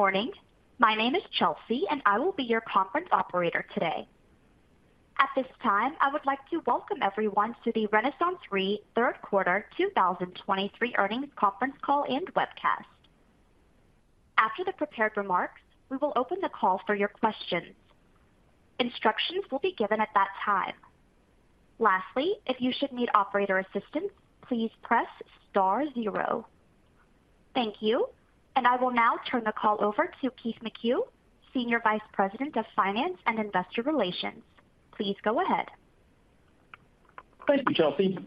Good morning. My name is Chelsea, and I will be your conference operator today. At this time, I would like to welcome everyone to the RenaissanceRe third quarter 2023 earnings conference call and webcast. After the prepared remarks, we will open the call for your questions. Instructions will be given at that time. Lastly, if you should need operator assistance, please press star zero. Thank you, and I will now turn the call over to Keith McCue, Senior Vice President of Finance and Investor Relations. Please go ahead. Thank you, Chelsea.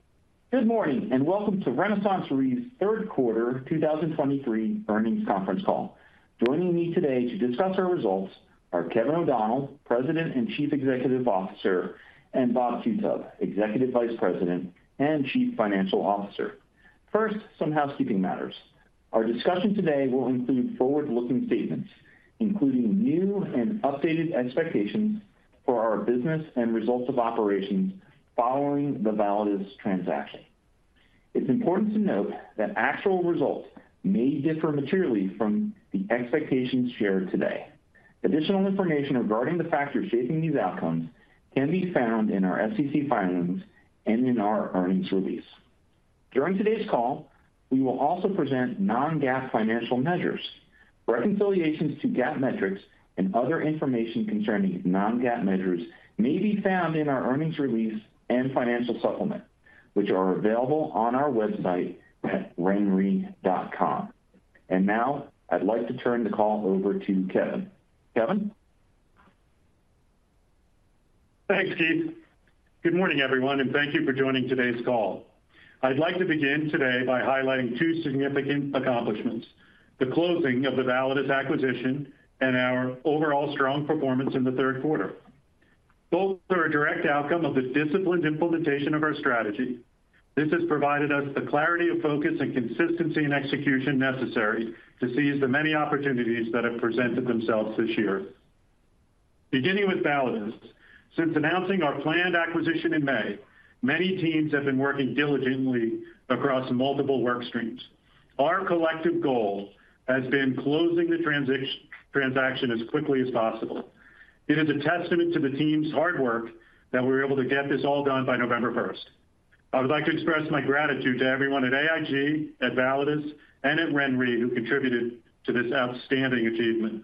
Good morning, and welcome to RenaissanceRe's third quarter 2023 earnings conference call. Joining me today to discuss our results are Kevin O'Donnell, President and Chief Executive Officer, and Bob Qutub, Executive Vice President and Chief Financial Officer. First, some housekeeping matters. Our discussion today will include forward-looking statements, including new and updated expectations for our business and results of operations following the Validus transaction. It's important to note that actual results may differ materially from the expectations shared today. Additional information regarding the factors shaping these outcomes can be found in our SEC filings and in our earnings release. During today's call, we will also present non-GAAP financial measures. Reconciliations to GAAP metrics and other information concerning these non-GAAP measures may be found in our earnings release and financial supplement, which are available on our website at renre.com. And now, I'd like to turn the call over to Kevin. Kevin? Thanks, Keith. Good morning, everyone, and thank you for joining today's call. I'd like to begin today by highlighting two significant accomplishments: the closing of the Validus acquisition and our overall strong performance in the third quarter. Both are a direct outcome of the disciplined implementation of our strategy. This has provided us the clarity of focus and consistency in execution necessary to seize the many opportunities that have presented themselves this year. Beginning with Validus, since announcing our planned acquisition in May, many teams have been working diligently across multiple work streams. Our collective goal has been closing the transaction as quickly as possible. It is a testament to the team's hard work that we were able to get this all done by November first. I would like to express my gratitude to everyone at AIG, at Validus, and at RenRe, who contributed to this outstanding achievement.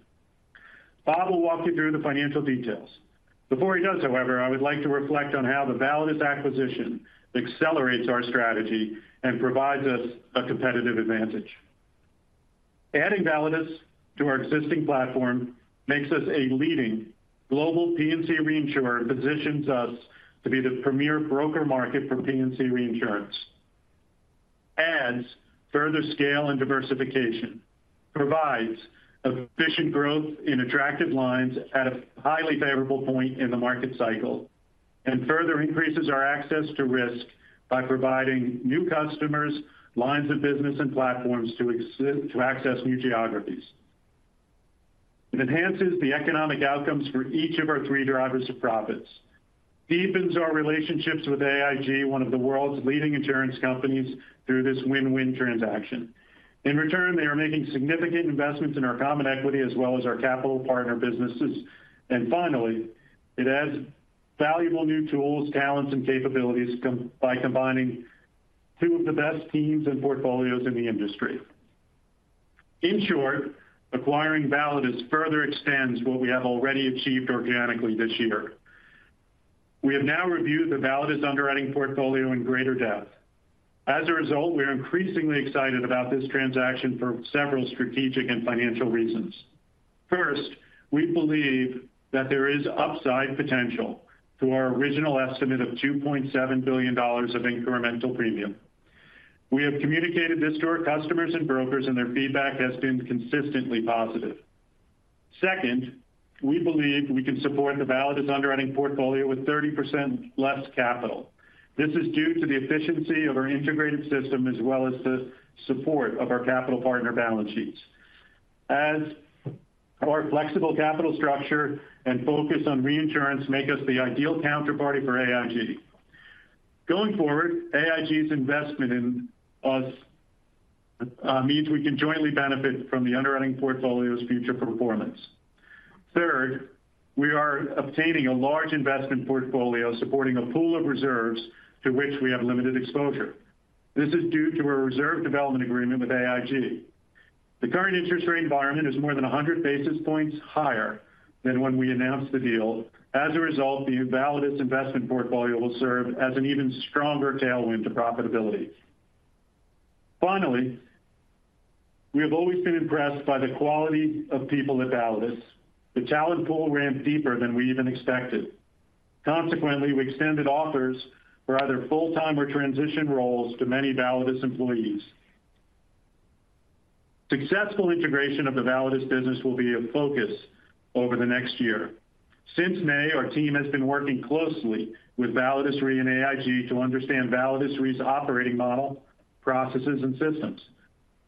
Bob will walk you through the financial details. Before he does, however, I would like to reflect on how the Validus acquisition accelerates our strategy and provides us a competitive advantage. Adding Validus to our existing platform makes us a leading global P&C reinsurer and positions us to be the premier broker market for P&C reinsurance. Adds further scale and diversification, provides efficient growth in attractive lines at a highly favorable point in the market cycle, and further increases our access to risk by providing new customers, lines of business, and platforms to access new geographies. It enhances the economic outcomes for each of our three drivers of profits, deepens our relationships with AIG, one of the world's leading insurance companies, through this win-win transaction. In return, they are making significant investments in our common equity as well as our capital partner businesses. Finally, it adds valuable new tools, talents, and capabilities, combining two of the best teams and portfolios in the industry. In short, acquiring Validus further extends what we have already achieved organically this year. We have now reviewed the Validus underwriting portfolio in greater depth. As a result, we are increasingly excited about this transaction for several strategic and financial reasons. First, we believe that there is upside potential to our original estimate of $2.7 billion of incremental premium. We have communicated this to our customers and brokers, and their feedback has been consistently positive. Second, we believe we can support the Validus underwriting portfolio with 30% less capital. This is due to the efficiency of our integrated system, as well as the support of our capital partner balance sheets. As our flexible capital structure and focus on reinsurance make us the ideal counterparty for AIG. Going forward, AIG's investment in us means we can jointly benefit from the underwriting portfolio's future performance. Third, we are obtaining a large investment portfolio supporting a pool of reserves to which we have limited exposure. This is due to our reserve development agreement with AIG. The current interest rate environment is more than 100 basis points higher than when we announced the deal. As a result, the Validus investment portfolio will serve as an even stronger tailwind to profitability. Finally, we have always been impressed by the quality of people at Validus. The talent pool ran deeper than we even expected. Consequently, we extended offers for either full-time or transition roles to many Validus employees. Successful integration of the Validus business will be a focus over the next year. Since May, our team has been working closely with Validus Re and AIG to understand Validus Re's operating model, processes and systems.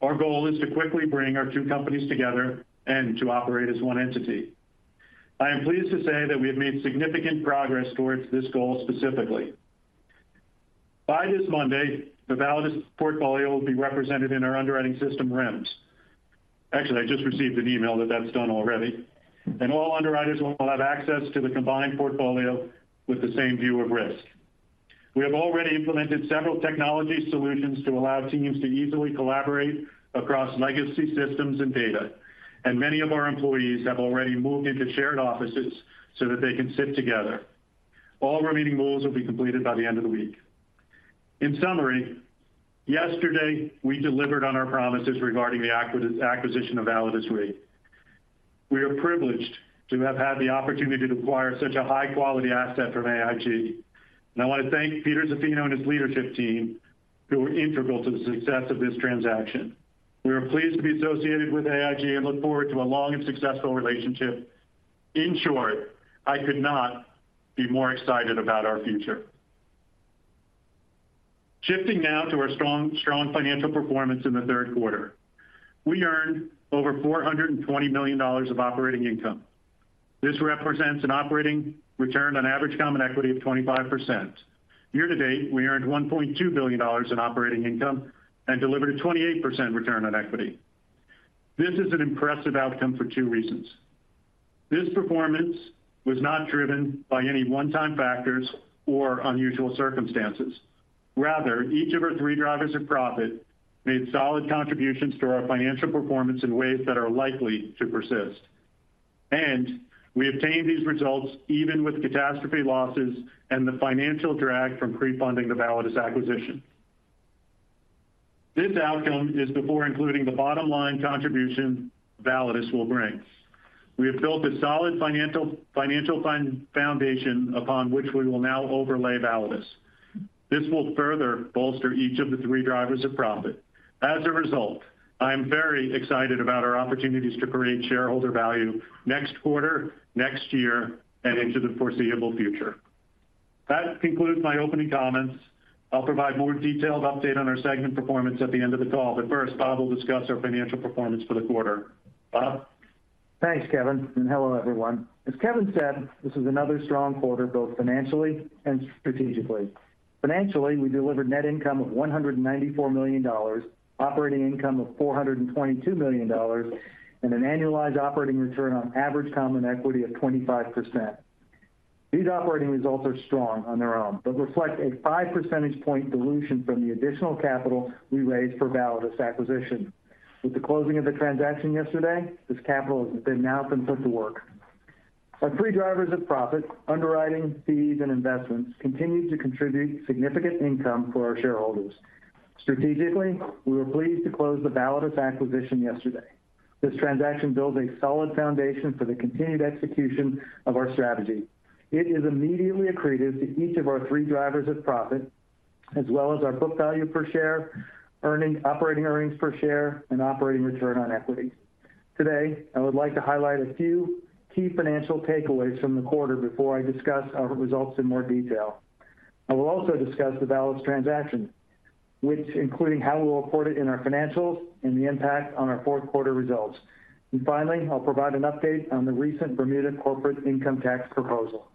Our goal is to quickly bring our two companies together and to operate as one entity. I am pleased to say that we have made significant progress towards this goal specifically. By this Monday, the Validus portfolio will be represented in our underwriting system, REMS. Actually, I just received an email that that's done already, and all underwriters will have access to the combined portfolio with the same view of risk. We have already implemented several technology solutions to allow teams to easily collaborate across legacy systems and data, and many of our employees have already moved into shared offices so that they can sit together. All remaining moves will be completed by the end of the week. In summary, yesterday, we delivered on our promises regarding the acquisition of Validus Re. We are privileged to have had the opportunity to acquire such a high-quality asset from AIG, and I want to thank Peter Zaffino and his leadership team, who were integral to the success of this transaction. We are pleased to be associated with AIG and look forward to a long and successful relationship. In short, I could not be more excited about our future. Shifting now to our strong, strong financial performance in the third quarter. We earned over $420 million of operating income. This represents an operating return on average common equity of 25%. Year to date, we earned $1.2 billion in operating income and delivered a 28% return on equity. This is an impressive outcome for two reasons: This performance was not driven by any one-time factors or unusual circumstances. Rather, each of our three drivers of profit made solid contributions to our financial performance in ways that are likely to persist. And we obtained these results even with catastrophe losses and the financial drag from pre-funding the Validus acquisition. This outcome is before including the bottom line contribution Validus will bring. We have built a solid financial foundation upon which we will now overlay Validus. This will further bolster each of the three drivers of profit. As a result, I am very excited about our opportunities to create shareholder value next quarter, next year, and into the foreseeable future. That concludes my opening comments. I'll provide more detailed update on our segment performance at the end of the call, but first, Bob will discuss our financial performance for the quarter. Bob? Thanks, Kevin, and hello, everyone. As Kevin said, this is another strong quarter, both financially and strategically. Financially, we delivered net income of $194 million, operating income of $422 million, and an annualized operating return on average common equity of 25%. These operating results are strong on their own, but reflect a five percentage point dilution from the additional capital we raised for Validus acquisition. With the closing of the transaction yesterday, this capital has now been put to work. Our three drivers of profit, underwriting, fees, and investments, continue to contribute significant income for our shareholders. Strategically, we were pleased to close the Validus acquisition yesterday. This transaction builds a solid foundation for the continued execution of our strategy. It is immediately accretive to each of our three drivers of profit, as well as our book value per share, operating earnings per share, and operating return on equity. Today, I would like to highlight a few key financial takeaways from the quarter before I discuss our results in more detail. I will also discuss the Validus transaction, which, including how we'll report it in our financials and the impact on our fourth quarter results. Finally, I'll provide an update on the recent Bermuda corporate income tax proposal.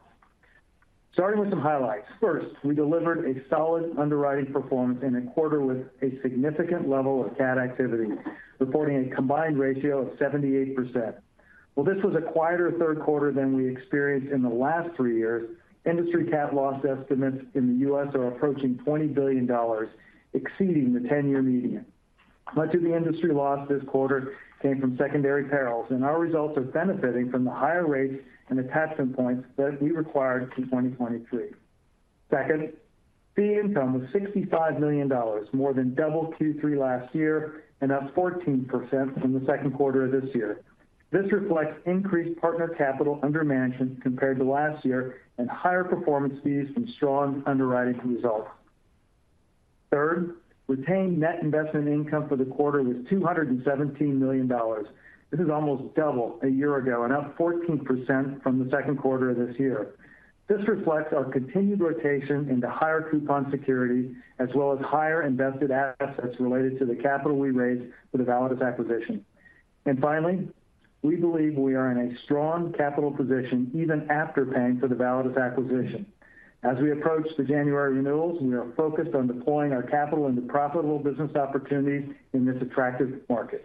Starting with some highlights. First, we delivered a solid underwriting performance in a quarter with a significant level of cat activity, reporting a combined ratio of 78%. While this was a quieter third quarter than we experienced in the last three years, industry cat loss estimates in the U.S. are approaching $20 billion, exceeding the 10-year median. Much of the industry loss this quarter came from secondary perils, and our results are benefiting from the higher rates and attachment points that we required through 2023. Second, fee income was $65 million, more than double Q3 last year, and up 14% from the second quarter of this year. This reflects increased partner capital under management compared to last year, and higher performance fees from strong underwriting results. Third, retained net investment income for the quarter was $217 million. This is almost double a year ago and up 14% from the second quarter of this year. This reflects our continued rotation into higher coupon security, as well as higher invested assets related to the capital we raised for the Validus acquisition. And finally, we believe we are in a strong capital position, even after paying for the Validus acquisition. As we approach the January renewals, we are focused on deploying our capital into profitable business opportunities in this attractive market.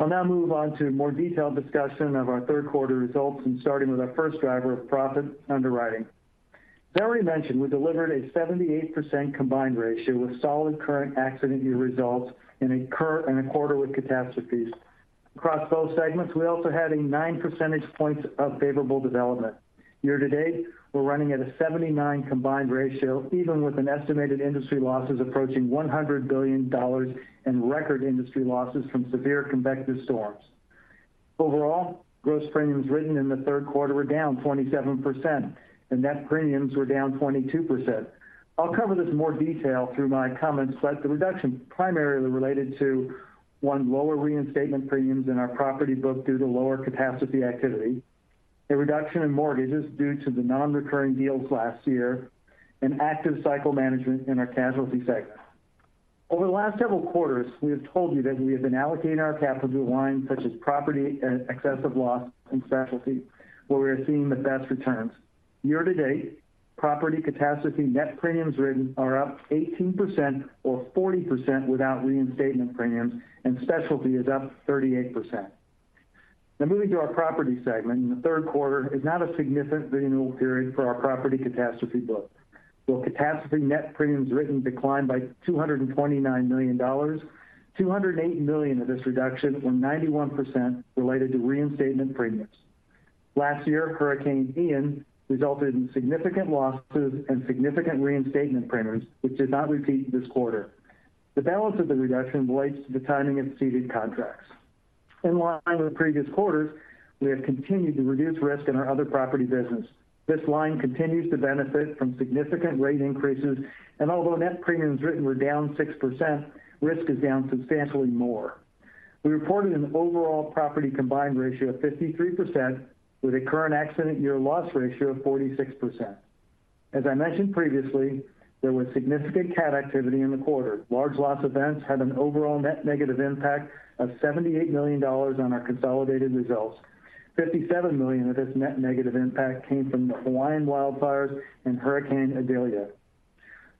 I'll now move on to a more detailed discussion of our third quarter results and starting with our first driver of profit, underwriting. As I already mentioned, we delivered a 78% combined ratio with solid current accident year results in a quarter with catastrophes. Across both segments, we also had a 9 percentage points of favorable development. Year to date, we're running at a 79 combined ratio, even with an estimated industry losses approaching $100 billion and record industry losses from severe convective storms. Overall, gross premiums written in the third quarter were down 27% and net premiums were down 22%. I'll cover this in more detail through my comments, but the reduction primarily related to, one, lower reinstatement premiums in our property book due to lower capacity activity, a reduction in mortgages due to the non-recurring deals last year, and active cycle management in our casualty segment. Over the last several quarters, we have told you that we have been allocating our capital to lines such as property and excessive loss and specialty, where we are seeing the best returns. Year-to-date, property catastrophe net premiums written are up 18% or 40% without reinstatement premiums, and specialty is up 38%. Now moving to our property segment, in the third quarter is not a significant renewal period for our property catastrophe book. While catastrophe net premiums written declined by $229 million, $208 million of this reduction or 91% related to reinstatement premiums. Last year, Hurricane Ian resulted in significant losses and significant reinstatement premiums, which did not repeat this quarter. The balance of the reduction relates to the timing of ceded contracts. In line with previous quarters, we have continued to reduce risk in our other property business. This line continues to benefit from significant rate increases, and although net premiums written were down 6%, risk is down substantially more. We reported an overall property combined ratio of 53%, with a current accident year loss ratio of 46%. As I mentioned previously, there was significant cat activity in the quarter. Large loss events had an overall net negative impact of $78 million on our consolidated results. $57 million of this net negative impact came from the Hawaiian wildfires and Hurricane Idalia.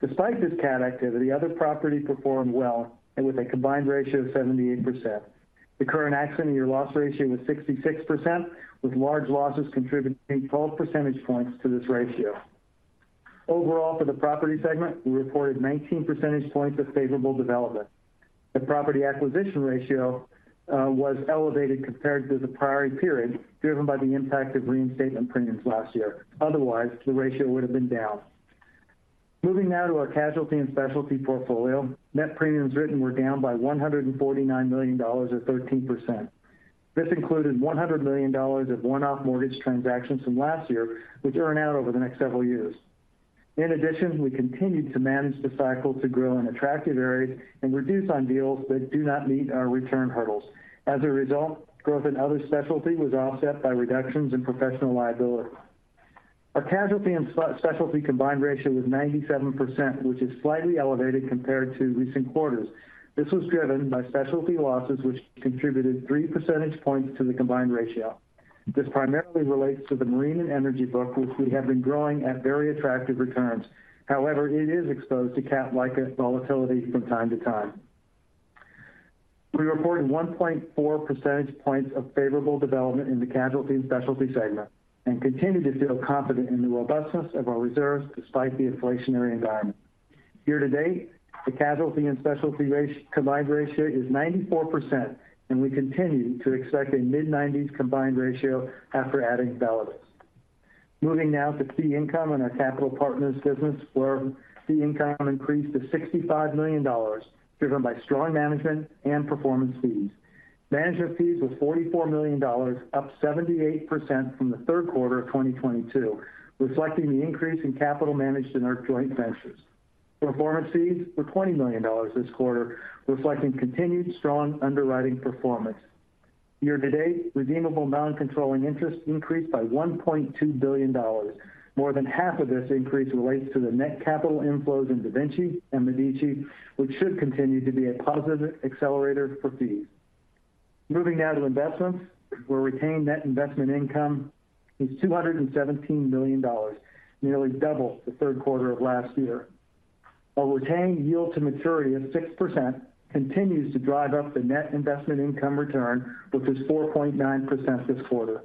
Despite this cat activity, other property performed well and with a combined ratio of 78%. The current accident year loss ratio was 66%, with large losses contributing 12 percentage points to this ratio. Overall, for the property segment, we reported 19 percentage points of favorable development. The property acquisition ratio was elevated compared to the prior period, driven by the impact of reinstatement premiums last year. Otherwise, the ratio would have been down. Moving now to our casualty and specialty portfolio. Net premiums written were down by $149 million, or 13%. This included $100 million of one-off mortgage transactions from last year, which earn out over the next several years. In addition, we continued to manage the cycle to grow in attractive areas and reduce on deals that do not meet our return hurdles. As a result, growth in other specialty was offset by reductions in professional liability. Our casualty and specialty combined ratio was 97%, which is slightly elevated compared to recent quarters. This was driven by specialty losses, which contributed three percentage points to the combined ratio. This primarily relates to the marine and energy book, which we have been growing at very attractive returns. However, it is exposed to cat-like volatility from time to time. We reported 1.4 percentage points of favorable development in the casualty and specialty segment and continue to feel confident in the robustness of our reserves despite the inflationary environment. Year to date, the casualty and specialty ratio combined ratio is 94%, and we continue to expect a mid-nineties combined ratio after adding Validus. Moving now to fee income and our capital partners business, where fee income increased to $65 million, driven by strong management and performance fees. Management fees was $44 million, up 78% from the third quarter of 2022, reflecting the increase in capital managed in our joint ventures. Performance fees were $20 million this quarter, reflecting continued strong underwriting performance. Year to date, redeemable non-controlling interests increased by $1.2 billion. More than half of this increase relates to the net capital inflows in DaVinci and Medici, which should continue to be a positive accelerator for fees. Moving now to investments, where retained net investment income is $217 million, nearly double the third quarter of last year. Our retained yield to maturity of 6% continues to drive up the net investment income return, which is 4.9% this quarter.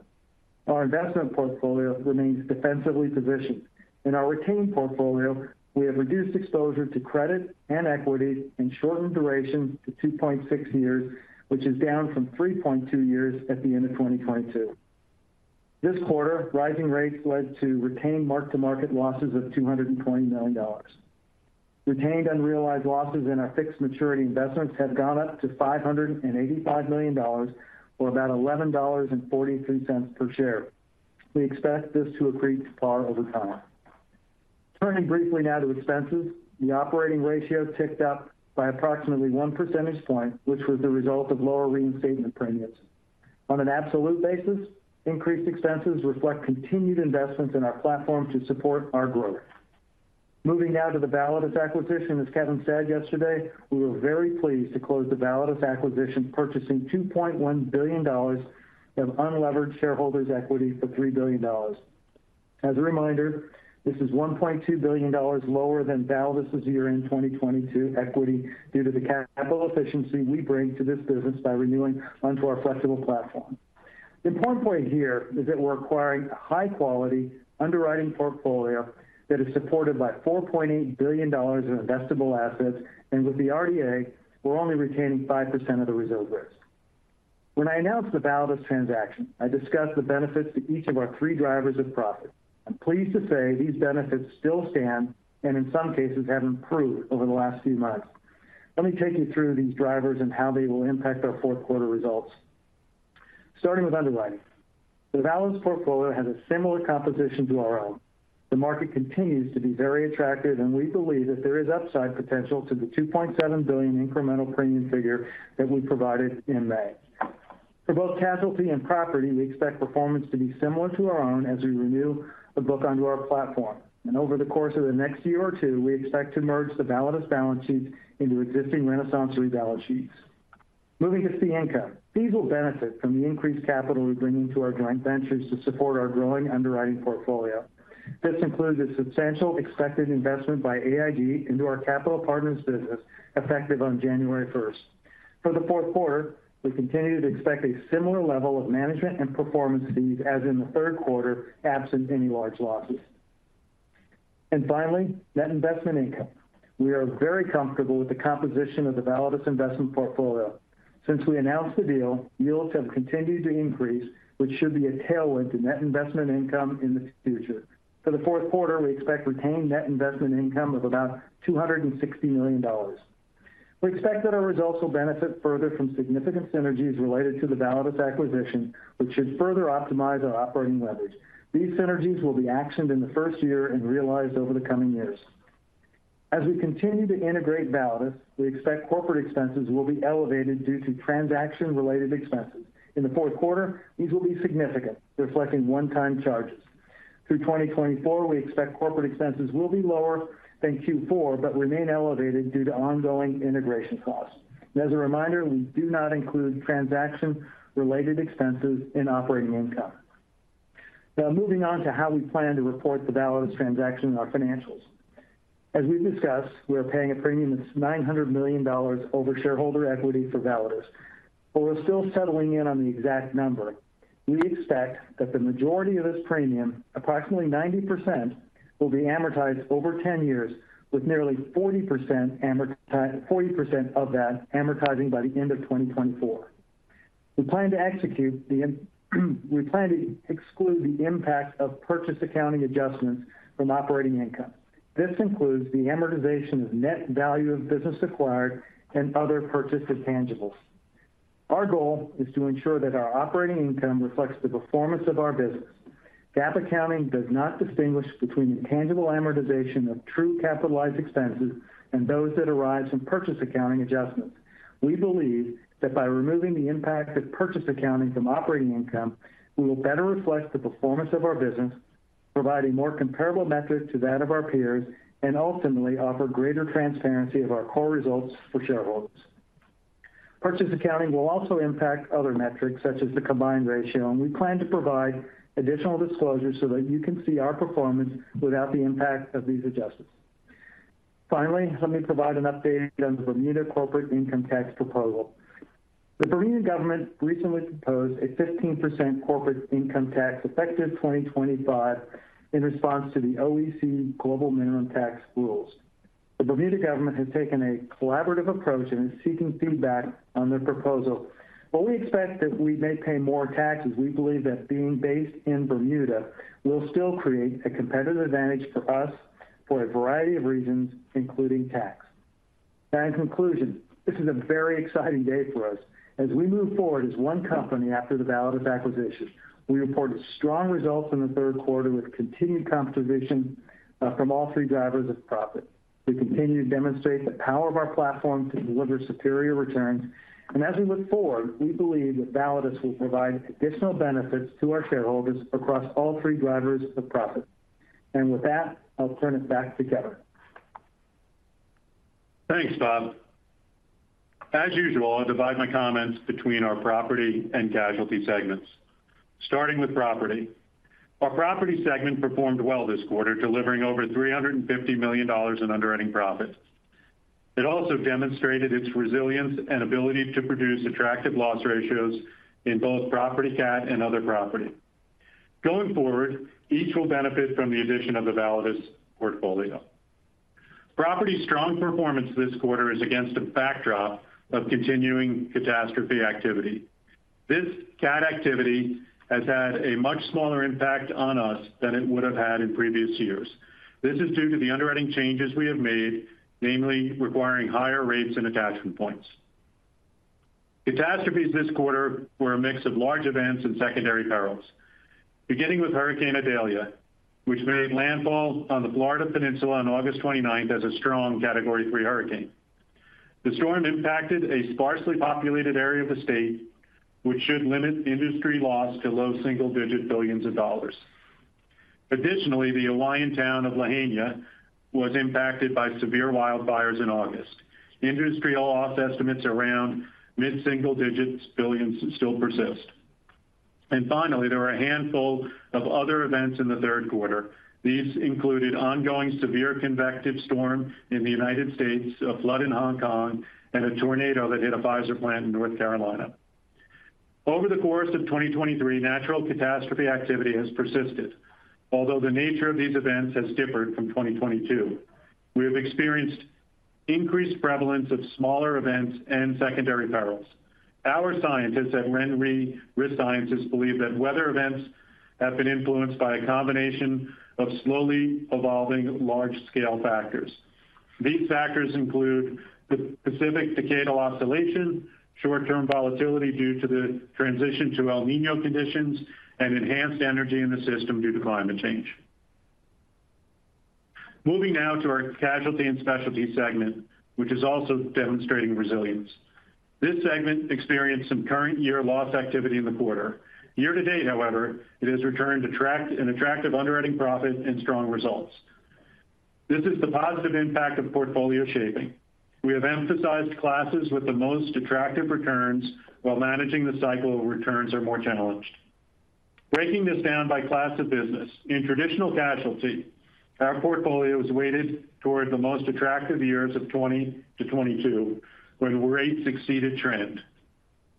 Our investment portfolio remains defensively positioned. In our retained portfolio, we have reduced exposure to credit and equity and shortened duration to 2.6 years, which is down from 3.2 years at the end of 2022. This quarter, rising rates led to retained mark-to-market losses of $220 million. Retained unrealized losses in our fixed maturity investments have gone up to $585 million, or about $11.43 per share. We expect this to accrete far over time. Turning briefly now to expenses. The operating ratio ticked up by approximately 1 percentage point, which was the result of lower reinstatement premiums. On an absolute basis, increased expenses reflect continued investments in our platform to support our growth. Moving now to the Validus acquisition. As Kevin said yesterday, we were very pleased to close the Validus acquisition, purchasing $2.1 billion of unlevered shareholders' equity for $3 billion. As a reminder, this is $1.2 billion lower than Validus' year-end 2022 equity due to the capital efficiency we bring to this business by renewing onto our flexible platform. The important point here is that we're acquiring a high-quality underwriting portfolio that is supported by $4.8 billion in investable assets, and with the RDA, we're only retaining 5% of the reserved risk. When I announced the Validus transaction, I discussed the benefits to each of our three drivers of profit. I'm pleased to say these benefits still stand and in some cases have improved over the last few months. Let me take you through these drivers and how they will impact our fourth quarter results. Starting with underwriting. The Validus portfolio has a similar composition to our own. The market continues to be very attractive, and we believe that there is upside potential to the $2.7 billion incremental premium figure that we provided in May. For both casualty and property, we expect performance to be similar to our own as we renew the book onto our platform. Over the course of the next year or two, we expect to merge the Validus balance sheet into existing RenaissanceRe balance sheets. Moving to fee income. These will benefit from the increased capital we bring into our joint ventures to support our growing underwriting portfolio. This includes a substantial expected investment by AIG into our capital partners business, effective on January first. For the fourth quarter, we continue to expect a similar level of management and performance fees as in the third quarter, absent any large losses. And finally, net investment income. We are very comfortable with the composition of the Validus investment portfolio. Since we announced the deal, yields have continued to increase, which should be a tailwind to net investment income in the future. For the fourth quarter, we expect retained net investment income of about $260 million. We expect that our results will benefit further from significant synergies related to the Validus acquisition, which should further optimize our operating leverage. These synergies will be actioned in the first year and realized over the coming years. As we continue to integrate Validus, we expect corporate expenses will be elevated due to transaction-related expenses. In the fourth quarter, these will be significant, reflecting one-time charges. Through 2024, we expect corporate expenses will be lower than Q4, but remain elevated due to ongoing integration costs. As a reminder, we do not include transaction-related expenses in operating income. Now, moving on to how we plan to report the Validus transaction in our financials. As we've discussed, we are paying a premium that's $900 million over shareholder equity for Validus, but we're still settling in on the exact number. We expect that the majority of this premium, approximately 90%, will be amortized over 10 years, with nearly 40% of that amortizing by the end of 2024. We plan to exclude the impact of purchase accounting adjustments from operating income. This includes the amortization of net value of business acquired and other purchased intangibles. Our goal is to ensure that our operating income reflects the performance of our business. GAAP accounting does not distinguish between intangible amortization of true capitalized expenses and those that arise from purchase accounting adjustments. We believe that by removing the impact of purchase accounting from operating income, we will better reflect the performance of our business, provide a more comparable metric to that of our peers, and ultimately offer greater transparency of our core results for shareholders. Purchase accounting will also impact other metrics, such as the combined ratio, and we plan to provide additional disclosures so that you can see our performance without the impact of these adjustments. Finally, let me provide an update on the Bermuda corporate income tax proposal. The Bermuda government recently proposed a 15% corporate income tax, effective 2025, in response to the OECD global minimum tax rules. The Bermuda government has taken a collaborative approach and is seeking feedback on their proposal. While we expect that we may pay more taxes, we believe that being based in Bermuda will still create a competitive advantage for us for a variety of reasons, including tax. Now, in conclusion, this is a very exciting day for us as we move forward as one company after the Validus acquisition. We reported strong results in the third quarter with continued contribution from all three drivers of profit. We continue to demonstrate the power of our platform to deliver superior returns, and as we look forward, we believe that Validus will provide additional benefits to our shareholders across all three drivers of profit. With that, I'll turn it back to Kevin. Thanks, Bob. As usual, I'll divide my comments between our property and casualty segments. Starting with property. Our property segment performed well this quarter, delivering over $350 million in underwriting profit. It also demonstrated its resilience and ability to produce attractive loss ratios in both property cat and other property. Going forward, each will benefit from the addition of the Validus portfolio. Property's strong performance this quarter is against a backdrop of continuing catastrophe activity. This cat activity has had a much smaller impact on us than it would have had in previous years. This is due to the underwriting changes we have made, namely requiring higher rates and attachment points. Catastrophes this quarter were a mix of large events and secondary perils. Beginning with Hurricane Idalia, which made landfall on the Florida Peninsula on August 29 as a strong Category 3 hurricane. The storm impacted a sparsely populated area of the state, which should limit industry loss to low single-digit billions of dollars. Additionally, the Hawaiian town of Lahaina was impacted by severe wildfires in August. Industry loss estimates around mid-single-digit billions still persist. Finally, there were a handful of other events in the third quarter. These included ongoing severe convective storm in the United States, a flood in Hong Kong, and a tornado that hit a Pfizer plant in North Carolina. Over the course of 2023, natural catastrophe activity has persisted, although the nature of these events has differed from 2022. We have experienced increased prevalence of smaller events and secondary perils. Our scientists at RenRe Risk Sciences believe that weather events have been influenced by a combination of slowly evolving large-scale factors. These factors include the Pacific Decadal Oscillation, short-term volatility due to the transition to El Niño conditions, and enhanced energy in the system due to climate change. Moving now to our Casualty and Specialty segment, which is also demonstrating resilience. This segment experienced some current year loss activity in the quarter. Year-to-date, however, it has returned an attractive underwriting profit and strong results. This is the positive impact of portfolio shaping. We have emphasized classes with the most attractive returns while managing the cycle where returns are more challenged. Breaking this down by class of business, in traditional casualty, our portfolio is weighted toward the most attractive years of 20 to 22, when rates exceeded trend.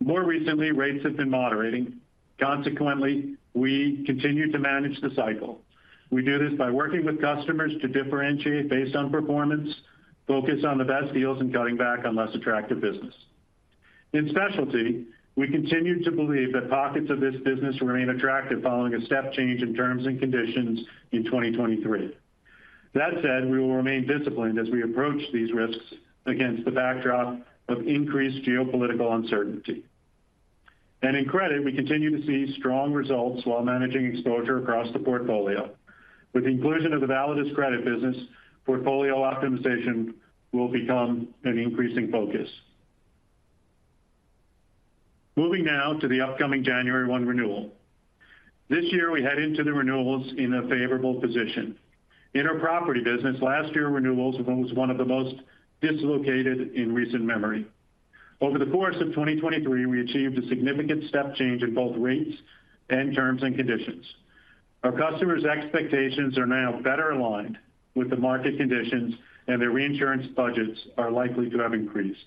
More recently, rates have been moderating. Consequently, we continue to manage the cycle. We do this by working with customers to differentiate based on performance, focus on the best deals, and cutting back on less attractive business. In specialty, we continue to believe that pockets of this business remain attractive following a step change in terms and conditions in 2023. That said, we will remain disciplined as we approach these risks against the backdrop of increased geopolitical uncertainty. And in credit, we continue to see strong results while managing exposure across the portfolio. With the inclusion of the Validus credit business, portfolio optimization will become an increasing focus. Moving now to the upcoming January 1 renewal. This year, we head into the renewals in a favorable position. In our property business, last year, renewals was one of the most dislocated in recent memory. Over the course of 2023, we achieved a significant step change in both rates and terms and conditions. Our customers' expectations are now better aligned with the market conditions, and their reinsurance budgets are likely to have increased.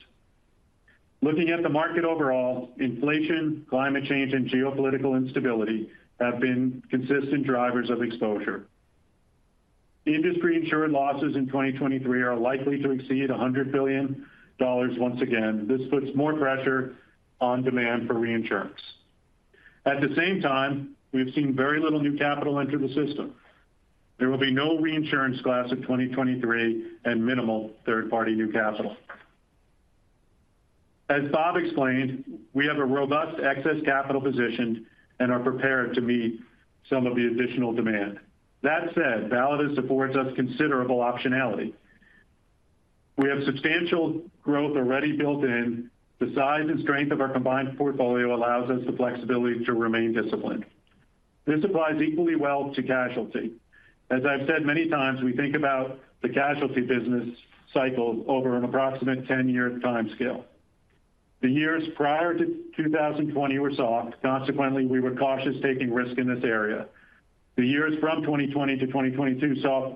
Looking at the market overall, inflation, climate change, and geopolitical instability have been consistent drivers of exposure. The industry insured losses in 2023 are likely to exceed $100 billion once again. This puts more pressure on demand for reinsurance. At the same time, we've seen very little new capital enter the system. There will be no reinsurance class of 2023 and minimal third-party new capital. As Bob explained, we have a robust excess capital position and are prepared to meet some of the additional demand. That said, Validus affords us considerable optionality. We have substantial growth already built in. The size and strength of our combined portfolio allows us the flexibility to remain disciplined. This applies equally well to casualty. As I've said many times, we think about the casualty business cycle over an approximate 10-year time scale. The years prior to 2020 were soft. Consequently, we were cautious taking risk in this area. The years from 2020 to 2022 saw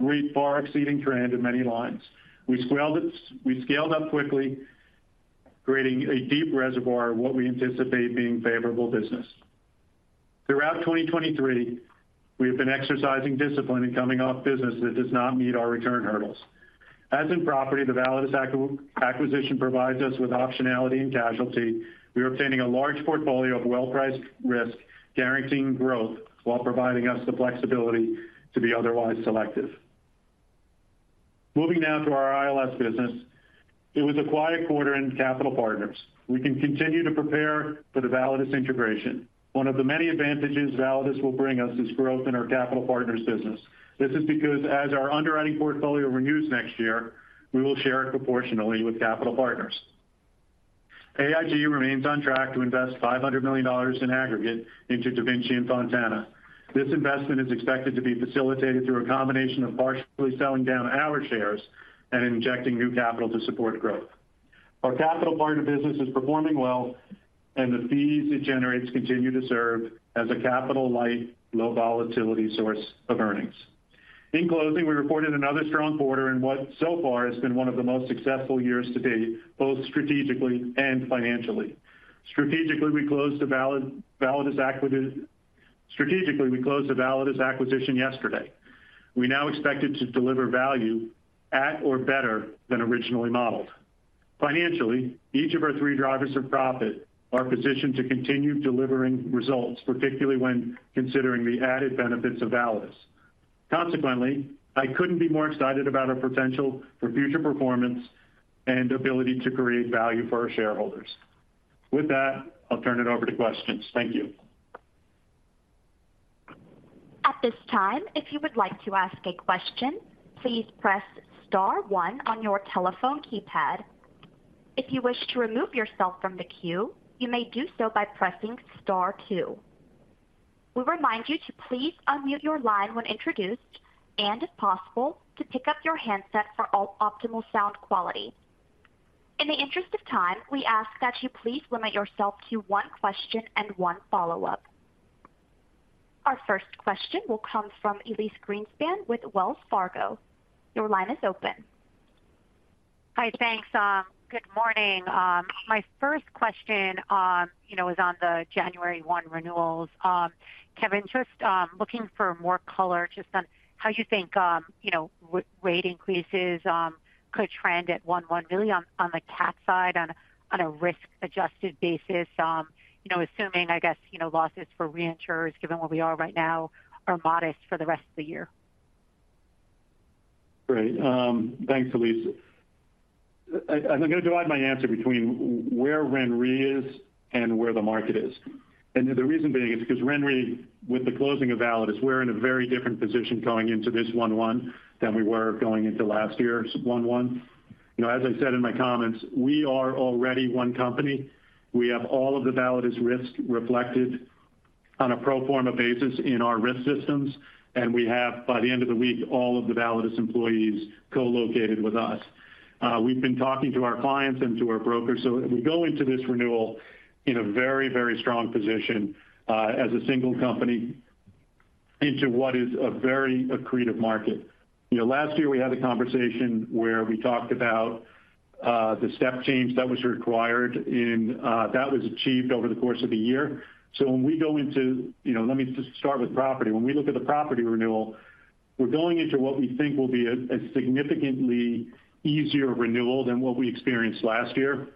rates far exceeding trend in many lines. We scaled up quickly, creating a deep reservoir of what we anticipate being favorable business. Throughout 2023, we have been exercising discipline in coming off business that does not meet our return hurdles. As in property, the Validus acquisition provides us with optionality in casualty. We are obtaining a large portfolio of well-priced risk, guaranteeing growth while providing us the flexibility to be otherwise selective. Moving now to our ILS business. It was a quiet quarter in Capital Partners. We can continue to prepare for the Validus integration. One of the many advantages Validus will bring us is growth in our Capital Partners business. This is because as our underwriting portfolio renews next year, we will share it proportionally with Capital Partners. AIG remains on track to invest $500 million in aggregate into DaVinci and Fontana. This investment is expected to be facilitated through a combination of partially selling down our shares and injecting new capital to support growth. Our Capital Partners business is performing well, and the fees it generates continue to serve as a capital-light, low-volatility source of earnings. In closing, we reported another strong quarter in what so far has been one of the most successful years to date, both strategically and financially. Strategically, we closed the Validus acquisition yesterday. We now expect it to deliver value at or better than originally modeled. Financially, each of our three drivers of profit are positioned to continue delivering results, particularly when considering the added benefits of Validus. Consequently, I couldn't be more excited about our potential for future performance and ability to create value for our shareholders. With that, I'll turn it over to questions. Thank you. At this time, if you would like to ask a question, please press star one on your telephone keypad. If you wish to remove yourself from the queue, you may do so by pressing star two. We remind you to please unmute your line when introduced and, if possible, to pick up your handset for all optimal sound quality. In the interest of time, we ask that you please limit yourself to one question and one follow-up. Our first question will come from Elyse Greenspan with Wells Fargo. Your line is open. Hi, thanks. Good morning. My first question, you know, is on the January 1 renewals. Kevin, just, looking for more color just on how you think, you know, rate increases, could trend at 1/1 on, on the cat side, on a risk-adjusted basis, you know, assuming, I guess, you know, losses for reinsurers, given where we are right now, are modest for the rest of the year? Great. Thanks, Elyse. I'm going to divide my answer between where RenRe is and where the market is. And the reason being is because RenRe, with the closing of Validus, we're in a very different position going into this 1/1 than we were going into last year's 1/1. You know, as I said in my comments, we are already one company. We have all of the Validus risk reflected on a pro forma basis in our risk systems, and we have, by the end of the week, all of the Validus employees co-located with us. We've been talking to our clients and to our brokers, so we go into this renewal in a very, very strong position as a single company into what is a very accretive market. You know, last year we had a conversation where we talked about the step change that was required, and that was achieved over the course of the year. So when we go into. You know, let me just start with property. When we look at the property renewal, we're going into what we think will be a significantly easier renewal than what we experienced last year,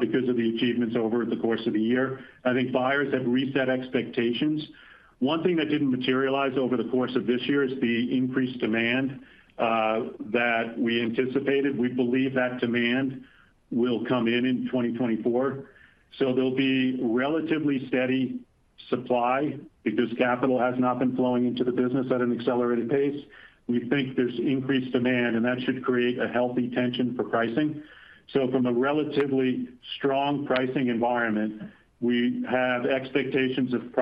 because of the achievements over the course of the year. I think buyers have reset expectations. One thing that didn't materialize over the course of this year is the increased demand that we anticipated. We believe that demand will come in in 2024. So there'll be relatively steady supply because capital has not been flowing into the business at an accelerated pace. We think there's increased demand, and that should create a healthy tension for pricing. So from a relatively strong pricing environment, we have expectations of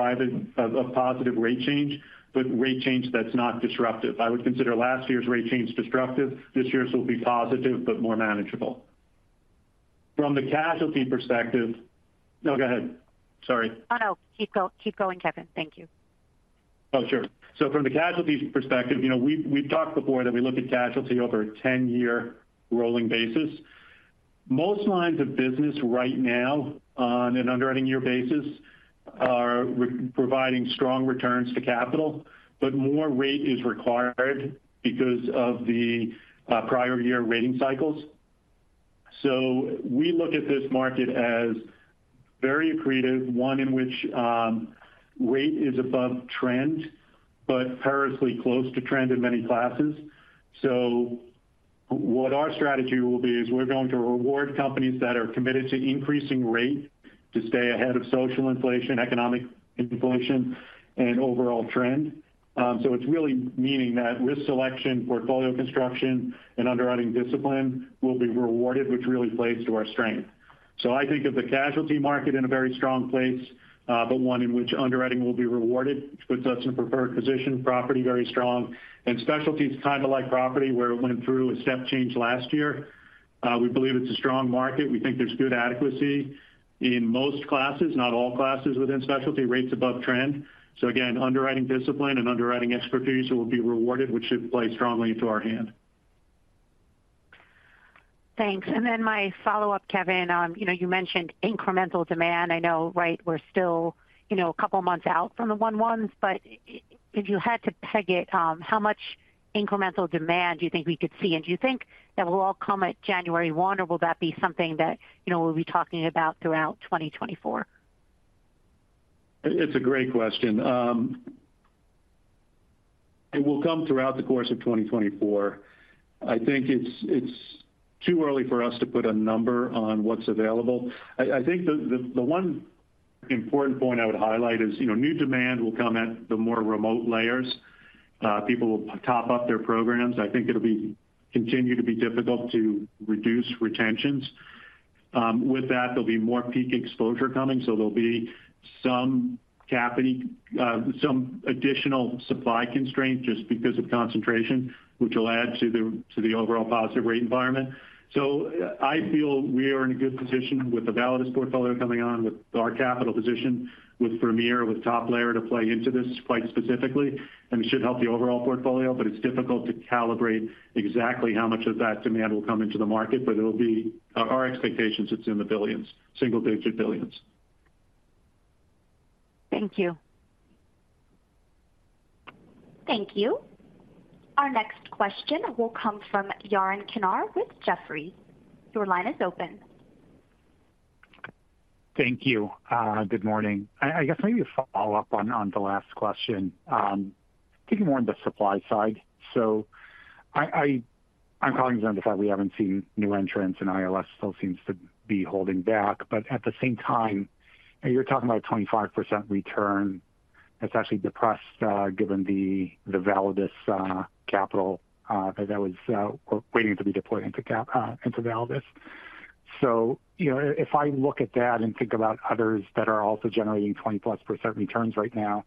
positive rate change, but rate change that's not disruptive. I would consider last year's rate change disruptive. This year's will be positive, but more manageable. From the casualty perspective. No, go ahead. Sorry. Oh, no. Keep going, Kevin. Thank you. Oh, sure. So from the casualty perspective, you know, we've talked before that we look at casualty over a 10-year rolling basis. Most lines of business right now, on an underwriting year basis, are providing strong returns to capital, but more rate is required because of the prior year rating cycles. So we look at this market as very accretive, one in which rate is above trend, but perilously close to trend in many classes. So what our strategy will be is we're going to reward companies that are committed to increasing rate to stay ahead of social inflation, economic inflation, and overall trend. So it's really meaning that risk selection, portfolio construction, and underwriting discipline will be rewarded, which really plays to our strength. So I think of the casualty market in a very strong place, but one in which underwriting will be rewarded, which puts us in a preferred position. Property, very strong. And specialty, it's like property, where it went through a step change last year. We believe it's a strong market. We think there's good adequacy in most classes, not all classes within specialty, rates above trend. So again, underwriting discipline and underwriting expertise will be rewarded, which should play strongly into our hand. Thanks. And then my follow-up, Kevin, you know, you mentioned incremental demand. I know, right, we're still, you know, a couple of months out from the one-ones, but if you had to peg it, how much incremental demand do you think we could see? And do you think that will all come at January one, or will that be something that, you know, we'll be talking about throughout 2024? It's a great question. It will come throughout the course of 2024. I think it's too early for us to put a number on what's available. I think the one important point I would highlight is, you know, new demand will come at the more remote layers. People will top up their programs. I think it'll continue to be difficult to reduce retentions. With that, there'll be more peak exposure coming, so there'll be some capacity, some additional supply constraint just because of concentration, which will add to the overall positive rate environment. So I feel we are in a good position with the Validus portfolio coming on, with our capital position, with Premier, with Top Layer to play into this quite specifically, and should help the overall portfolio, but it's difficult to calibrate exactly how much of that demand will come into the market, but it'll be our expectations, it's in the billions, single-digit billions. Thank you. Thank you. Our next question will come from Yaron Kinar with Jefferies. Your line is open. Thank you. Good morning. I guess maybe a follow-up on the last question, thinking more on the supply side. So I'm calling to identify we haven't seen new entrants, and ILS still seems to be holding back, but at the same time, you're talking about a 25% return that's actually depressed, given the Validus capital that was waiting to be deployed into Validus. So, you know, if I look at that and think about others that are also generating 20+% returns right now,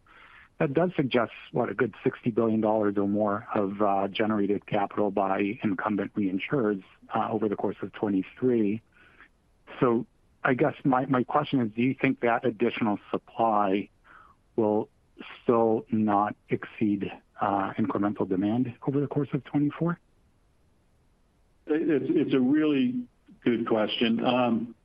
that does suggest, what, a good $60 billion or more of generated capital by incumbent reinsurers over the course of 2023. So I guess my question is, do you think that additional supply will still not exceed incremental demand over the course of 2024? It's a really good question.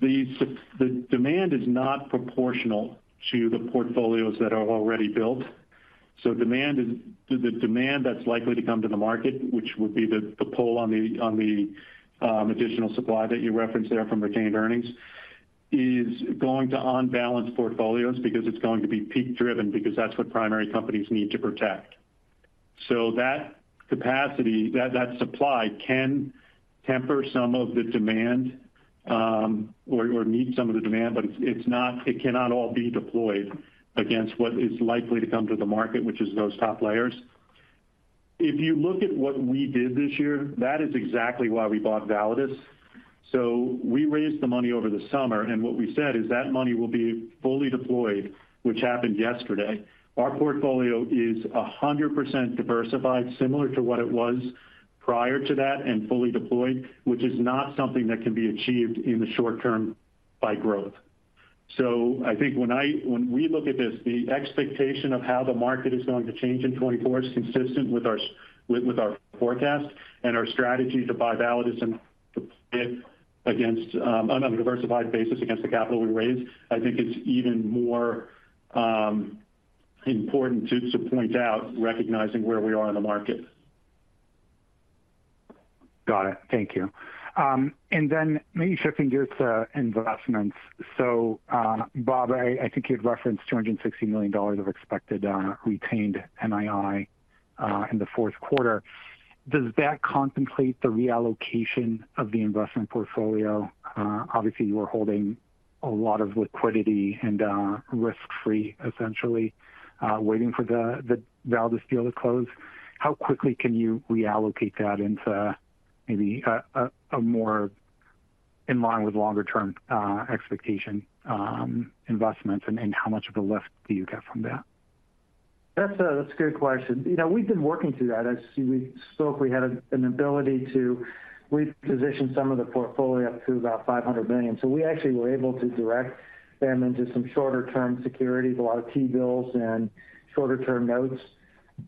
The demand is not proportional to the portfolios that are already built. So demand is the demand that's likely to come to the market, which would be the pull on the additional supply that you referenced there from retained earnings is going to unbalance portfolios because it's going to be peak driven, because that's what primary companies need to protect. So that capacity, that supply can temper some of the demand, or meet some of the demand, but it's not—it cannot all be deployed against what is likely to come to the market, which is those top layers. If you look at what we did this year, that is exactly why we bought Validus. So we raised the money over the summer, and what we said is that money will be fully deployed, which happened yesterday. Our portfolio is 100% diversified, similar to what it was prior to that, and fully deployed, which is not something that can be achieved in the short term by growth. I think when we look at this, the expectation of how the market is going to change in 2024 is consistent with our forecast, and our strategy to buy Validus and to put against, on a diversified basis against the capital we raised. I think it's even more important to point out, recognizing where we are in the market. Got it. Thank you. And then maybe shifting gears to investments. So, Bob, I, I think you had referenced $260 million of expected retained NII in the fourth quarter. Does that contemplate the reallocation of the investment portfolio? Obviously, you are holding a lot of liquidity and risk-free, essentially, waiting for the Validus deal to close. How quickly can you reallocate that into maybe a more in line with longer-term expectation investments? And how much of a lift do you get from that? That's a, that's a good question. You know, we've been working through that. As we spoke, we had an ability to reposition some of the portfolio up to about $500 million. So we actually were able to direct them into some shorter-term securities, a lot of T-bills and shorter-term notes.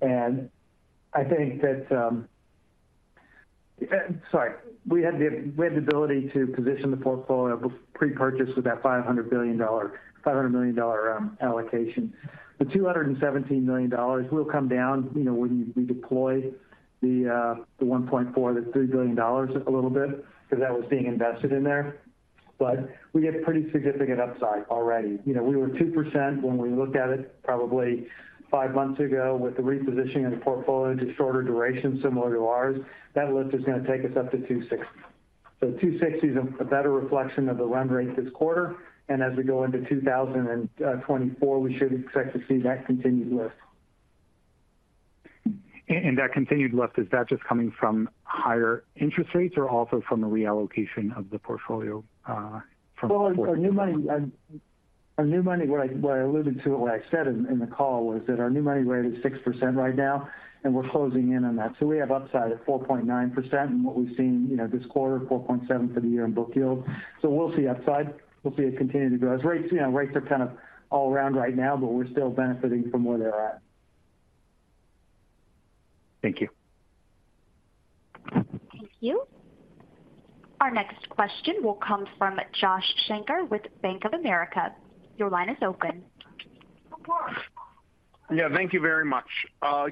And I think that, sorry, we had the, we had the ability to position the portfolio pre-purchase of that $500 million dollar allocation. The $217 million will come down, you know, when we deploy the, the $1.4, the $3 billion a little bit, because that was being invested in there. But we get pretty significant upside already. You know, we were 2% when we looked at it probably five months ago with the repositioning of the portfolio to shorter duration, similar to ours. That lift is going to take us up to 2.60%. So 2.60% is a better reflection of the blend rate this quarter, and as we go into 2024, we should expect to see that continued lift. And that continued lift, is that just coming from higher interest rates or also from the reallocation of the portfolio, from- Well, our new money, our new money, what I alluded to, what I said in the call, was that our new money rate is 6% right now, and we're closing in on that. So we have upside of 4.9% in what we've seen, you know, this quarter, 4.7 for the year in book yield. So we'll see upside. We'll see it continue to grow. As rates, you know, rates are kind of all around right now, but we're still benefiting from where they're at. Thank you. Thank you. Our next question will come from Josh Shanker with Bank of America. Your line is open. Yeah, thank you very much.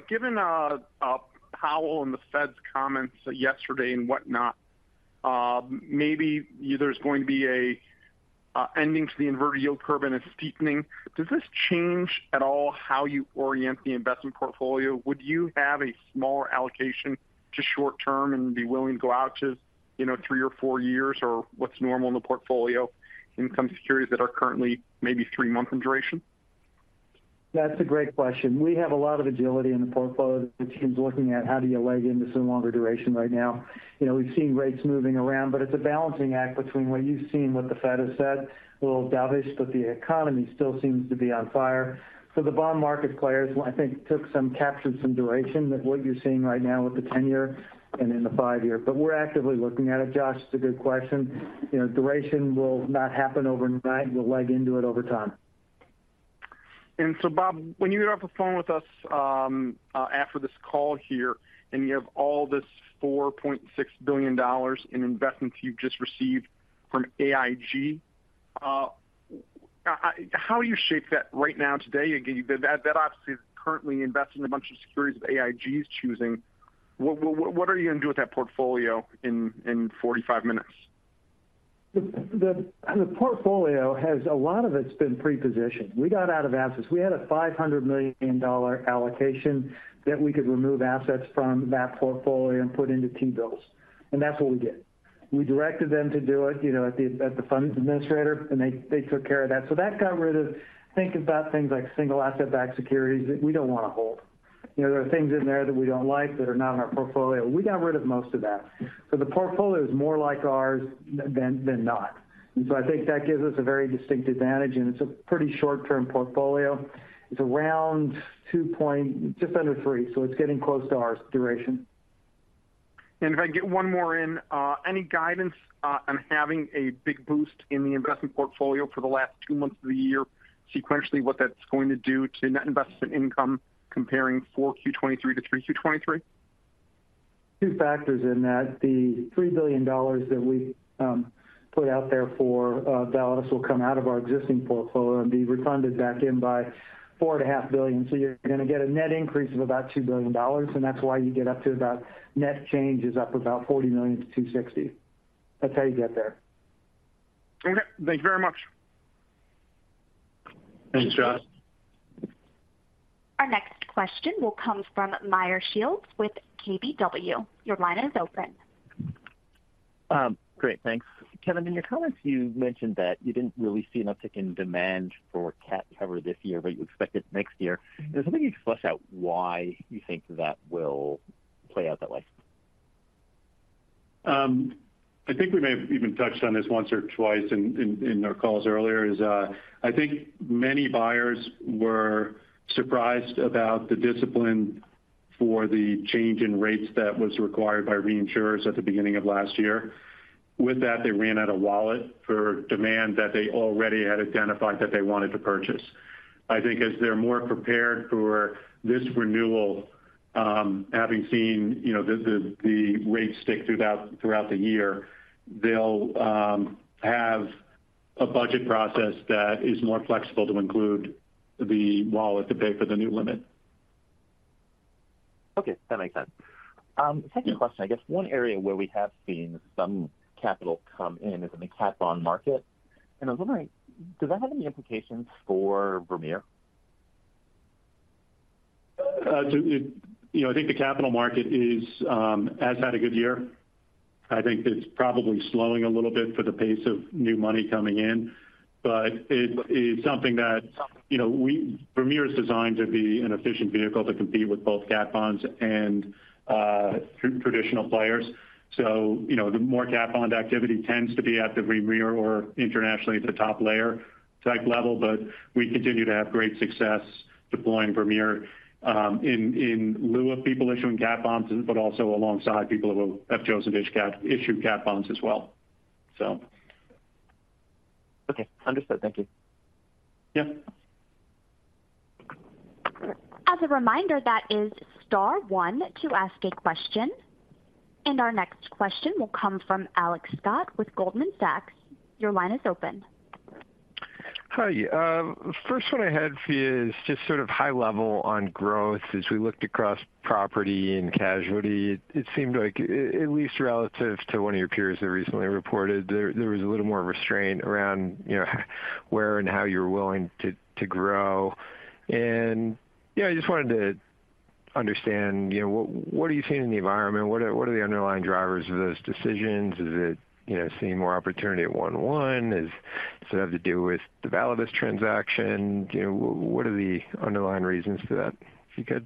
Given Powell and the Fed's comments yesterday and whatnot, maybe there's going to be an ending to the inverted yield curve and a steepening. Does this change at all how you orient the investment portfolio? Would you have a smaller allocation to short term and be willing to go out to, you know, three or four years, or what's normal in the portfolio, income securities that are currently maybe three months in duration? That's a great question. We have a lot of agility in the portfolio. The team's looking at how do you leg into some longer duration right now. You know, we've seen rates moving around, but it's a balancing act between what you've seen, what the Fed has said, a little dovish, but the economy still seems to be on fire. So the bond market players, I think, took some, captured some duration with what you're seeing right now with the 10-year and in the 5-year. But we're actively looking at it, Josh. It's a good question. You know, duration will not happen overnight. We'll leg into it over time. So, Bob, when you get off the phone with us, after this call here, and you have all this $4.6 billion in investments you've just received from AIG, how do you shape that right now, today? Again, that obviously is currently invested in a bunch of securities that AIG is choosing. What, what, what are you going to do with that portfolio in 45 minutes? The portfolio has a lot of it's been pre-positioned. We got out of assets. We had a $500 million allocation that we could remove assets from that portfolio and put into T-bills, and that's what we did. We directed them to do it, you know, at the funds administrator, and they took care of that. So that got rid of, think about things like single-asset-backed securities that we don't want to hold. You know, there are things in there that we don't like, that are not in our portfolio. We got rid of most of that. So the portfolio is more like ours than not. And so I think that gives us a very distinct advantage, and it's a pretty short-term portfolio. It's around 2., just under 3, so it's getting close to our duration. If I can get one more in, any guidance on having a big boost in the investment portfolio for the last two months of the year, sequentially, what that's going to do to net investment income comparing 4Q 2023 to 3Q 2023? Two factors in that. The $3 billion that we put out there for Validus will come out of our existing portfolio and be refunded back in by $4.5 billion. So you're going to get a net increase of about $2 billion, and that's why you get up to about net change is up about $40 million-$260 million. That's how you get there. Okay, thank you very much. Thanks, Josh. Our next question will come from Meyer Shields with KBW. Your line is open. Great, thanks. Kevin, in your comments, you mentioned that you didn't really see an uptick in demand for cat cover this year, but you expect it next year. Is there something you can flesh out why you think that will play out that way? I think we may have even touched on this once or twice in our calls earlier. I think many buyers were surprised about the discipline for the change in rates that was required by reinsurers at the beginning of last year. With that, they ran out of wallet for demand that they already had identified that they wanted to purchase. I think as they're more prepared for this renewal, having seen, you know, the rates stick throughout the year, they'll have a budget process that is more flexible to include the wallet to pay for the new limit. Okay, that makes sense. Second question, I guess one area where we have seen some capital come in is in the cat bond market, and I was wondering, does that have any implications for Premier? You know, I think the capital market is, has had a good year. I think it's probably slowing a little bit for the pace of new money coming in, but it is something that, you know, we Premier is designed to be an efficient vehicle to compete with both cat bonds and traditional players. So, you know, the more cat bond activity tends to be at the Premier or internationally at the top layer type level, but we continue to have great success deploying Premier, in lieu of people issuing cat bonds, but also alongside people who have chosen issued cat bonds as well, so. Okay, understood. Thank you. Yeah. As a reminder, that is star one to ask a question. Our next question will come from Alex Scott with Goldman Sachs. Your line is open. Hi, the first one I had for you is just sort of high level on growth. As we looked across property and casualty, it seemed like, at least relative to one of your peers that recently reported, there was a little more restraint around, you know, where and how you're willing to grow. And, yeah, I just wanted to understand, you know, what are you seeing in the environment? What are the underlying drivers of those decisions? Is it, you know, seeing more opportunity at 1-1? Does it have to do with the Validus transaction? You know, what are the underlying reasons for that, if you could?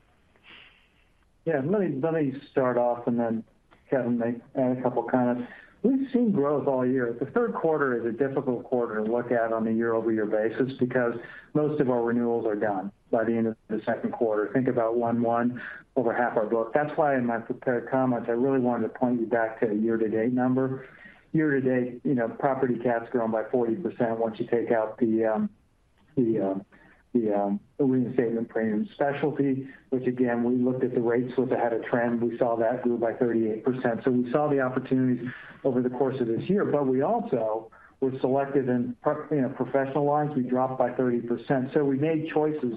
Yeah, let me start off and then Kevin may add a couple of comments. We've seen growth all year. The third quarter is a difficult quarter to look at on a year-over-year basis because most of our renewals are done by the end of the second quarter. Think about 1-1, over half our book. That's why in my prepared comments, I really wanted to point you back to the year-to-date number. Year-to-date, you know, property cat's grown by 40% once you take out the reinstatement premium specialty, which again, we looked at the rates with ahead of trend, we saw that grew by 38%. So we saw the opportunities over the course of this year, but we also were selected in, professional lines, we dropped by 30%. We made choices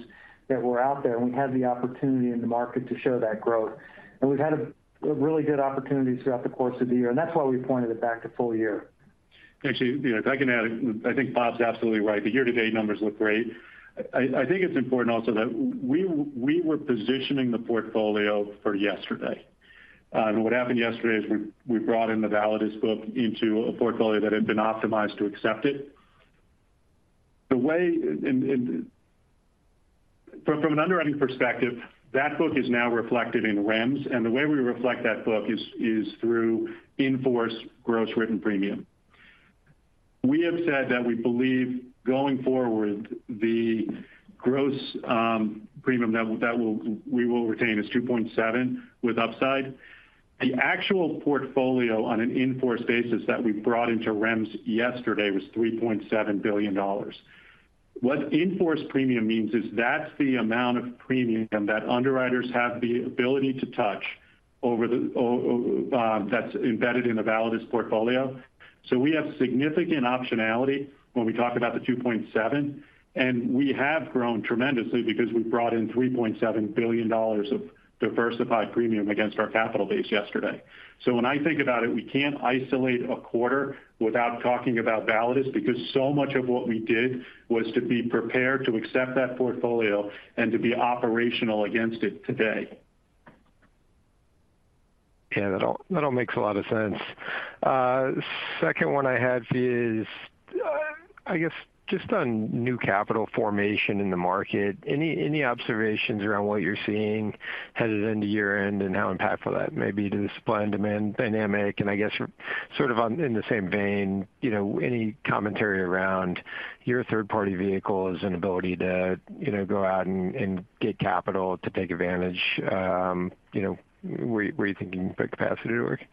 that were out there, and we had the opportunity in the market to show that growth. We've had really good opportunities throughout the course of the year, and that's why we pointed it back to full year. Actually, you know, if I can add, I think Bob's absolutely right. The year-to-date numbers look great. I think it's important also that we were positioning the portfolio for yesterday. And what happened yesterday is we brought in the Validus book into a portfolio that had been optimized to accept it. The way. In from an underwriting perspective, that book is now reflected in REMS, and the way we reflect that book is through in-force gross written premium. We have said that we believe going forward, the gross premium that we will retain is $2.7 billion with upside. The actual portfolio on an in-force basis that we brought into REMS yesterday was $3.7 billion. What in-force premium means is that's the amount of premium that underwriters have the ability to touch over the, that's embedded in the Validus portfolio. So we have significant optionality when we talk about the $2.7 billion, and we have grown tremendously because we brought in $3.7 billion of diversified premium against our capital base yesterday. So when I think about it, we can't isolate a quarter without talking about Validus, because so much of what we did was to be prepared to accept that portfolio and to be operational against it today. Yeah, that all makes a lot of sense. Second one I had is, I guess, just on new capital formation in the market, any observations around what you're seeing headed into year-end and how impactful that may be to the supply and demand dynamic? And I guess, sort of on, in the same vein, you know, any commentary around your third-party vehicle and ability to, you know, go out and get capital to take advantage, you know, where you think you can put capacity to work?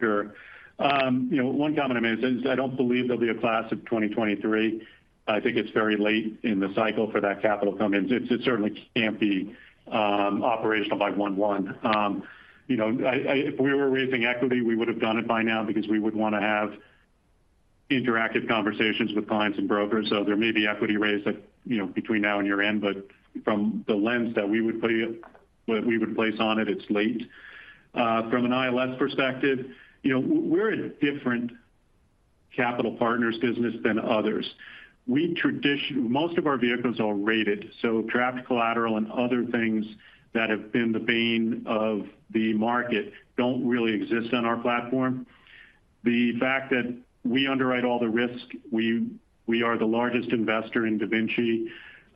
Sure. You know, one comment I made is I don't believe there'll be a class of 2023. I think it's very late in the cycle for that capital to come in. It certainly can't be operational by 1/1. You know, if we were raising equity, we would have done it by now because we would want to have interactive conversations with clients and brokers. So there may be equity raises, you know, between now and year-end, but from the lens that we would play, we would place on it, it's late. From an ILS perspective, you know, we're a different Capital Partners business than others. Most of our vehicles are rated, so trapped collateral and other things that have been the bane of the market don't really exist on our platform. The fact that we underwrite all the risk, we are the largest investor in DaVinci.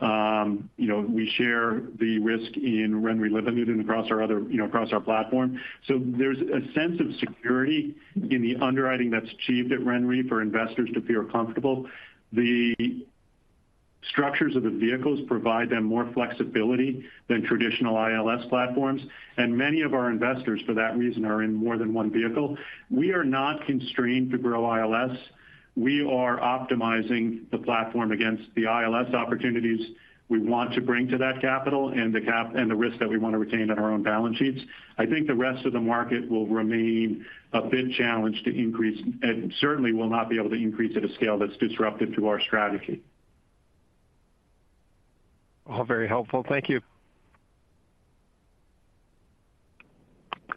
You know, we share the risk in RenRe Limited and across our other, you know, across our platform. So there's a sense of security in the underwriting that's achieved at RenRe for investors to feel comfortable. The structures of the vehicles provide them more flexibility than traditional ILS platforms, and many of our investors, for that reason, are in more than one vehicle. We are not constrained to grow ILS. We are optimizing the platform against the ILS opportunities we want to bring to that capital and the risk that we want to retain on our own balance sheets. I think the rest of the market will remain a bit challenged to increase, and certainly will not be able to increase at a scale that's disruptive to our strategy. All very helpful. Thank you.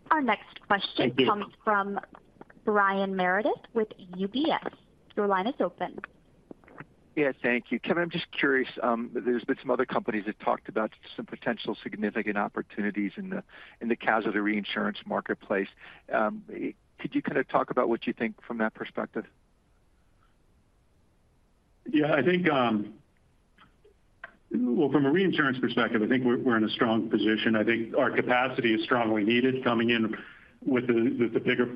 Our next question comes from Brian Meredith with UBS. Your line is open. Yes, thank you. Kevin, I'm just curious, there's been some other companies that talked about some potential significant opportunities in the casualty reinsurance marketplace. Could you kind of talk about what you think from that perspective? Yeah, I think, well, from a reinsurance perspective, I think we're in a strong position. I think our capacity is strongly needed coming in with the bigger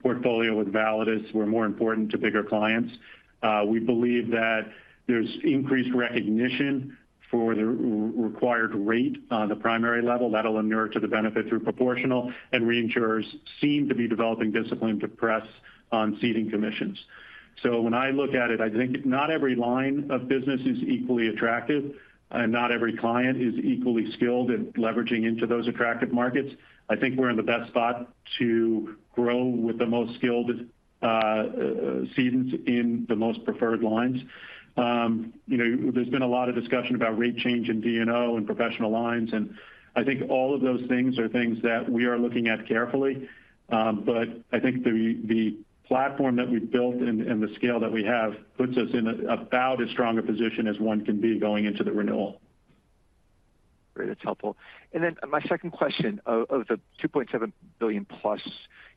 portfolio with Validus, we're more important to bigger clients. We believe that there's increased recognition for the required rate on the primary level that'll inure to the benefit through proportional, and reinsurers seem to be developing discipline to press on ceding commissions. So when I look at it, I think not every line of business is equally attractive, and not every client is equally skilled at leveraging into those attractive markets. I think we're in the best spot to grow with the most skilled cedants in the most preferred lines. You know, there's been a lot of discussion about rate change in D&O and professional lines, and I think all of those things are things that we are looking at carefully. But I think the platform that we've built and the scale that we have puts us in about as strong a position as one can be going into the renewal. Great, that's helpful. And then my second question, of the $2.7 billion+,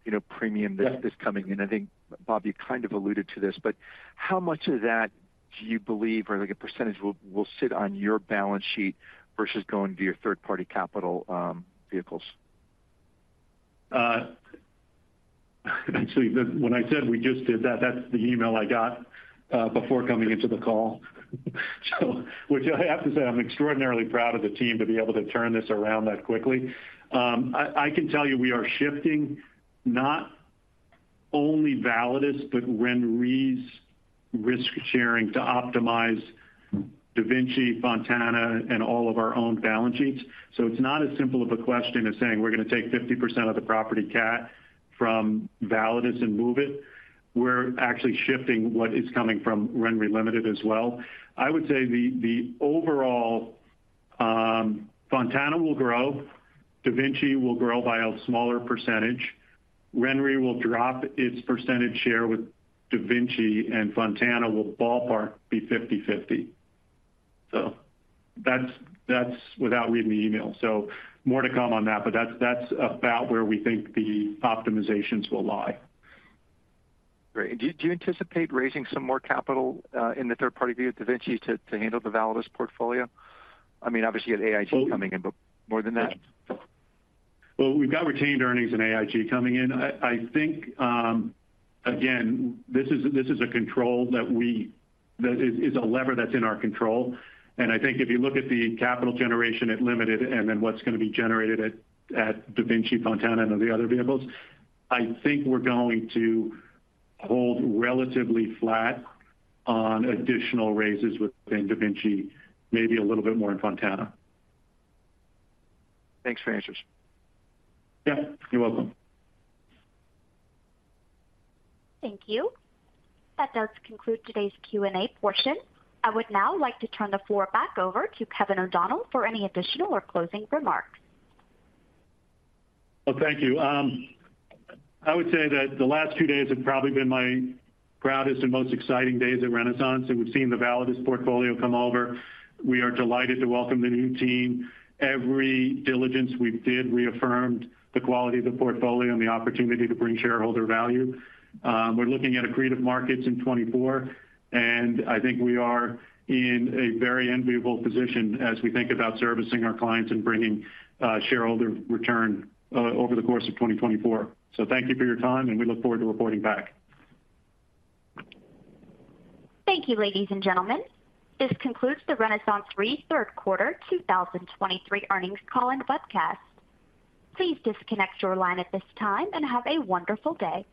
you know, premium that is coming in, I think, Bob, you kind of alluded to this, but how much of that do you believe or like a percentage will sit on your balance sheet versus going to your third-party capital vehicles? Actually, when I said we just did that, that's the email I got before coming into the call. So which I have to say, I'm extraordinarily proud of the team to be able to turn this around that quickly. I can tell you we are shifting not only Validus, but RenRe's risk sharing to optimize DaVinci, Fontana, and all of our own balance sheets. So it's not as simple of a question as saying we're going to take 50% of the property cat from Validus and move it. We're actually shifting what is coming from RenRe Limited as well. I would say the overall, Fontana will grow. DaVinci will grow by a smaller percentage. RenRe will drop its percentage share with DaVinci, and Fontana will ballpark be 50/50. So that's, that's without reading the email, so more to come on that, but that's, that's about where we think the optimizations will lie. Great. Do you anticipate raising some more capital in the third party via DaVinci to handle the Validus portfolio? I mean, obviously, you had AIG coming in, but more than that? Well, we've got retained earnings and AIG coming in. I, I think, again, this is a control that we—that is a lever that's in our control. And I think if you look at the capital generation at Limited and then what's going to be generated at DaVinci, Fontana, and the other vehicles, I think we're going to hold relatively flat on additional raises within DaVinci, maybe a little bit more in Fontana. Thanks for the answers. Yeah, you're welcome. Thank you. That does conclude today's Q&A portion. I would now like to turn the floor back over to Kevin O'Donnell for any additional or closing remarks. Well, thank you. I would say that the last two days have probably been my proudest and most exciting days at Renaissance, and we've seen the Validus portfolio come over. We are delighted to welcome the new team. Every diligence we did reaffirmed the quality of the portfolio and the opportunity to bring shareholder value. We're looking at accretive markets in 2024, and I think we are in a very enviable position as we think about servicing our clients and bringing shareholder return over the course of 2024. So thank you for your time, and we look forward to reporting back. Thank you, ladies and gentlemen. This concludes the RenaissanceRe third quarter 2023 earnings call and webcast. Please disconnect your line at this time and have a wonderful day.